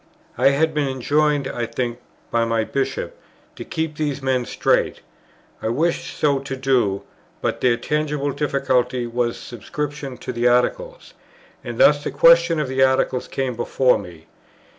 I had been enjoined, I think by my Bishop, to keep these men straight, and I wished so to do: but their tangible difficulty was subscription to the Articles; and thus the question of the Articles came before me.